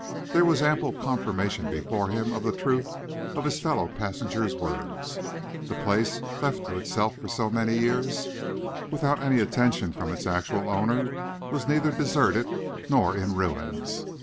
There was ample confirmation before him of the truth of his fellow passenger's words. The place, left to itself for so many years, without any attention from its actual owner, was neither deserted nor in ruins.